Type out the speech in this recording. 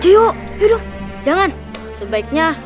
aku tau caranya